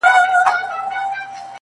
دا احسان دي لا پر ځان نه دی منلی!.